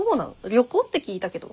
旅行って聞いたけど。